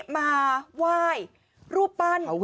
มาว่ายรูปปั้น